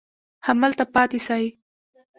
همدلته پاتې سئ.